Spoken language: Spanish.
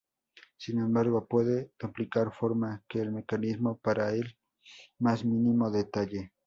Sin embargo, puede duplicar forma que el mecanismo para el más mínimo detalle.